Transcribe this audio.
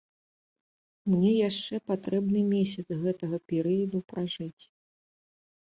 Мне яшчэ патрэбны месяц гэтага перыяду пражыць.